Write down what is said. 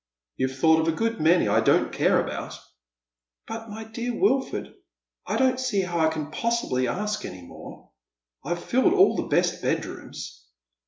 " You've thought of a good many I don't care about." "But, my dear Wilford, I don't see how I can possibly ask any more. I've filled all the best bed rooms."